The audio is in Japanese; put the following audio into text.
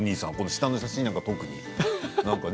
下の写真なんかは特に。